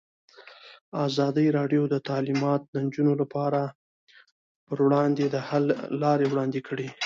ازادي راډیو د تعلیمات د نجونو لپاره پر وړاندې د حل لارې وړاندې کړي.